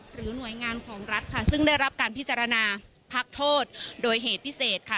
หรือหน่วยงานของรัฐค่ะซึ่งได้รับการพิจารณาพักโทษโดยเหตุพิเศษค่ะ